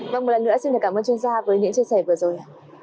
vâng một lần nữa xin cảm ơn chuyên gia với những chia sẻ vừa rồi